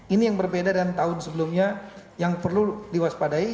ini yang berbeda dengan tahun sebelumnya yang perlu diwaspadai